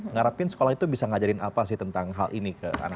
ngarapin sekolah itu bisa ngajarin apa sih tentang hal ini ke anak anak